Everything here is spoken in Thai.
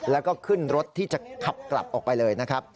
แล้วก็ขึ้นรถที่จะขับกลับออกไปเลยนะครับ